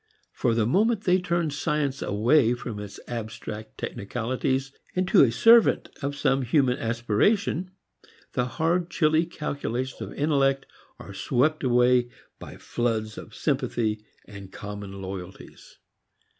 For the moment they turn science away from its abstract technicalities into a servant of some human aspiration; the hard, chilly calculations of intellect are swept away by floods of sympathy and common loyalties.